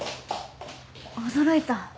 驚いた。